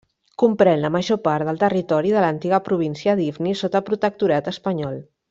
Comprèn la major part del territori de l'antiga província d'Ifni sota protectorat espanyol.